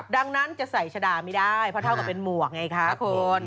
ดังนั้นจะใส่ชะดาไม่ได้เพราะเท่ากับเป็นหมวกไงคะคุณ